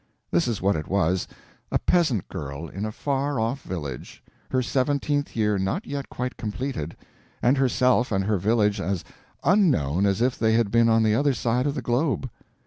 This is what it was. A peasant girl in a far off village, her seventeenth year not yet quite completed, and herself and her village as unknown as if they had been on the other side of the globe.